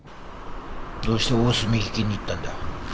どうして大澄池に行ったんだ？